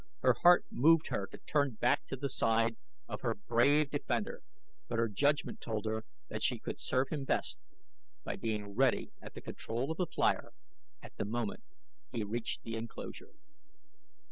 Her heart moved her to turn back to the side of her brave defender; but her judgment told her that she could serve him best by being ready at the control of the flier at the moment he reached the enclosure.